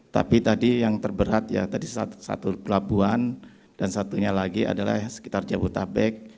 tapi tadi yang terberat ya tadi satu pelabuhan dan satunya lagi adalah sekitar jabodetabek